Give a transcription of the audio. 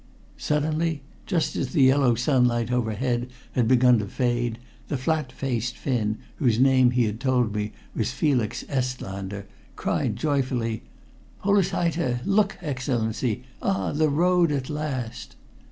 Suddenly, just as the yellow sunlight overhead had begun to fade, the flat faced Finn, whose name he had told me was Felix Estlander, cried joyfully "Polushaite! Look, Excellency! Ah! The road at last!"